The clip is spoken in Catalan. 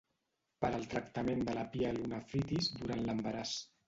Per al tractament de la pielonefritis durant l'embaràs.